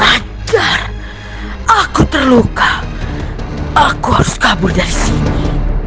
agar aku terluka aku harus kabur dari sini